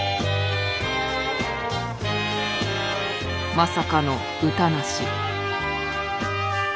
まさかの歌なし。